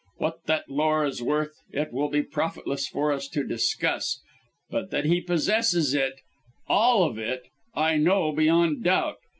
What that lore is worth, it would be profitless for us to discuss, but that he possesses it all of it I know, beyond doubt.